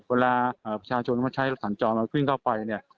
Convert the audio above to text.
เวลาประชาชนไม่ใช้สารจอมมาขึ้นเข้าไปเนี่ย